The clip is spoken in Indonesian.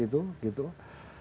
dan kemudian dia berkembang